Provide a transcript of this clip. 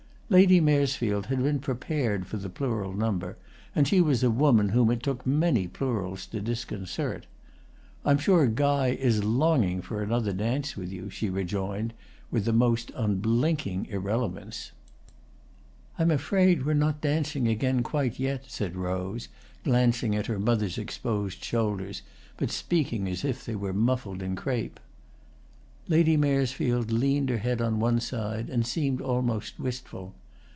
Lady Maresfield had been prepared for the plural number, and she was a woman whom it took many plurals to disconcert. "I'm sure Guy is longing for another dance with you," she rejoined, with the most unblinking irrelevance. "I'm afraid we're not dancing again quite yet," said Rose, glancing at her mother's exposed shoulders, but speaking as if they were muffled in crape. Lady Maresfield leaned her head on one side and seemed almost wistful.